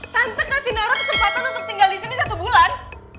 tante kasih naura kesempatan untuk tinggal disini satu bulan